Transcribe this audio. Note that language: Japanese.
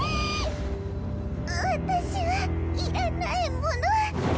私はいらないもの。